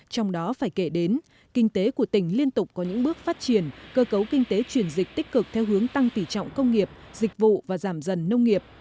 trong đó phải kể đến kinh tế của tỉnh liên tục có những bước phát triển cơ cấu kinh tế chuyển dịch tích cực theo hướng tăng tỉ trọng công nghiệp dịch vụ và giảm dần nông nghiệp